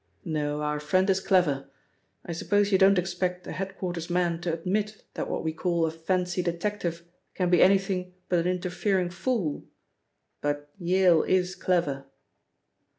No, our friend is clever. I suppose you don't expect a head quarters' man to admit that what we call a 'fancy' detective can be anything but an interfering fool? But Yale is clever."